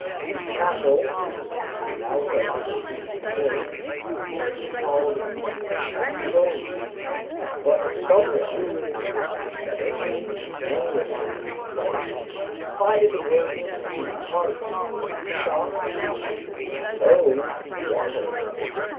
The castle at the mouth of the Plym used to be called the Château; but some one, thinking it would be better to Anglicise the French, divided the word into two parts: chat (cat), eau (water)."